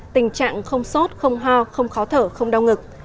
tình trạng không sốt không ho không khó thở không đau ngực